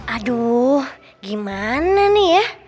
aduh gimana nih ya